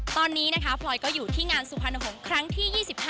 ตอนนี้นะคะพลอยก็อยู่ที่งานสุพรรณหงษ์ครั้งที่๒๕